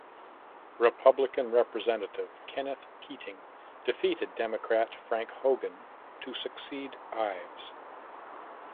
Republican Representative Kenneth Keating defeated Democrat Frank Hogan to succeed Ives.